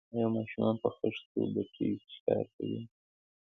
آیا ماشومان په خښتو بټیو کې کار کوي؟